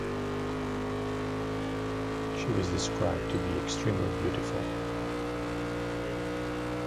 She was described to be extremely beautiful.